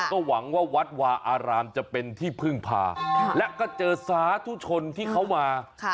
ก็หวังว่าวัดวาอารามจะเป็นที่พึ่งพาและก็เจอสาธุชนที่เขามา